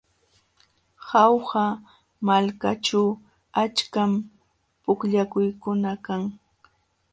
Jauja malkaćhu achkam pukllaykuna kan.